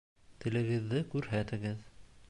Телегеҙҙе күрһәтегеҙ